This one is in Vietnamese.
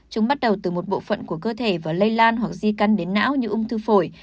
chúng bắt đầu từ một bộ phận của cơ thể và lây lan hoặc di căn đến não như ung thư phổi